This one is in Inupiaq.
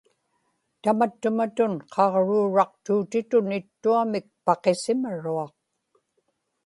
tamattumatun qaġruuraqtuutitun ittuamik paqisimaruaq